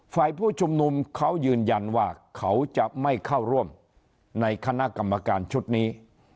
ผู้ชุมนุมเขายืนยันว่าเขาจะไม่เข้าร่วมในคณะกรรมการชุดนี้